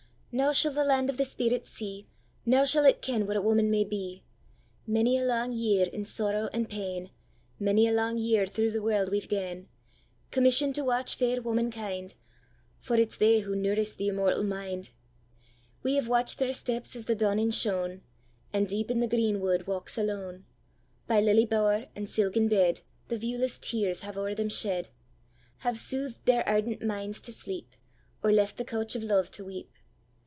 Now shall the land of the spirits see, Now shall it ken what a woman may be! Many a lang year, in sorrow and pain, Many a lang year through the world we've gane, Commission'd to watch fair womankind, For it's they who nurice the immortal mind. We have watch'd their steps as the dawning shone, And deep in the green wood walks alone; By lily bower and silken bed, The viewless tears have o'er them shed; Have soothed their ardent minds to sleep, Or left the couch of love to weep.